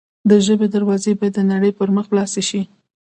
د ژبې دروازې باید د نړۍ پر مخ خلاصې وي.